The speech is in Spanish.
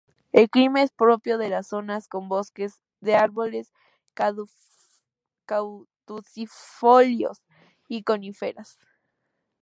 El clima es propio de las zonas con bosques de árboles caducifolios y coníferas.